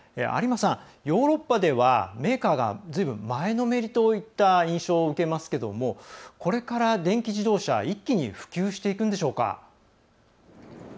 ヨーロッパでは、メーカーがずいぶん前のめりといった印象を受けますがこれから電気自動車一気に普及していくんでしょうか。